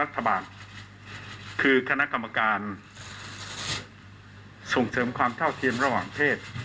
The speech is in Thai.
เสริมความเท่าเทียมระหว่างเพศ